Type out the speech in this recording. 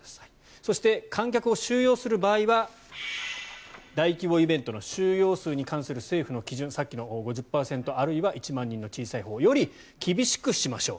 そして、観客を収容する場合は大規模イベントの収容数に関する政府の基準さっきの５０％、あるいは１万人の小さいほうより厳しくしましょう。